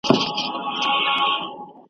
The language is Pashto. تر ماښام پوري به ګورو چي تیاره سي .